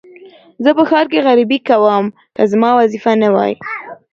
زه په ښار کې غريبي کوم که زما وظيفه نه وى.